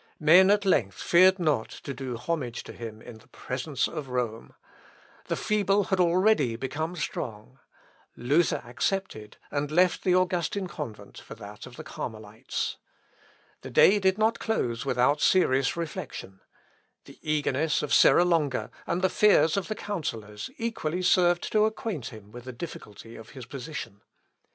Men at length feared not to do homage to him in presence of Rome; the feeble had already become strong. Luther accepted, and left the Augustin convent for that of the Carmelites. The day did not close without serious reflection. The eagerness of Serra Longa, and the fears of the counsellors, equally served to acquaint him with the difficulty of his position.